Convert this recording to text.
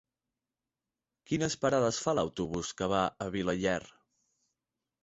Quines parades fa l'autobús que va a Vilaller?